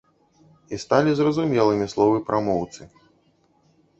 І сталі зразумелымі словы прамоўцы.